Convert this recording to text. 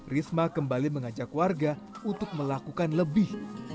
risma kembali mengajak warga untuk melakukan lebih